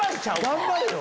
頑張れよ！